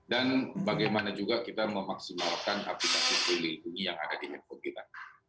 dan bagaimana juga kita memaksimalkan aktivitas yang terlindungi yang ada di handphone kita